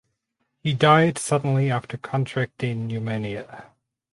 He died suddenly after contracting pneumonia.